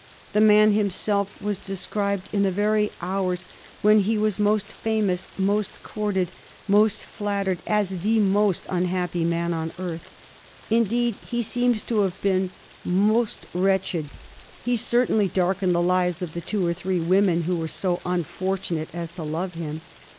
The man himself was described in the very hours when he was most famous^ most courted, mctt flattered, as the most unhappy man on earth. In deed ho seems to have been most wretched; he certainly « 238 A HISTORY OF THE FOUR GEORGES. cb. zxxtl darkened the lives of the two or three women who were so unfortunate as to love him.